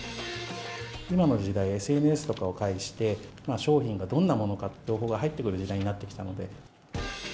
今の時代、ＳＮＳを介して商品がどんなものかという情報が入ってくる時代になってきたので。